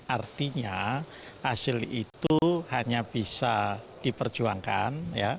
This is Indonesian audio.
artinya hasil itu hanya bisa diperjuangkan